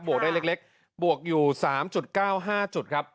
วกได้เล็กบวกอยู่๓๙๕จุดครับ